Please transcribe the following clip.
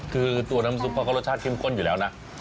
คือตัวน้ำซุปเขาก็รสชาติเข้มข้นอยู่แล้วนะ